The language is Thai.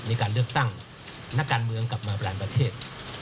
ในการเลือกตั้งนักการเมืองกลับมาแปลงประเทศ